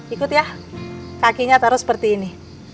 ikut ya kakinya taruh seperti ini